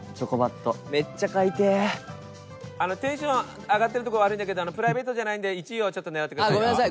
トシ：テンション上がってるとこ悪いんだけどプライベートじゃないんで１位を狙ってくださいよ。